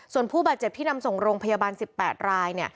ส่วนผู้บาดเจ็บที่นำส่งโรงพยาบาล๑๘ราย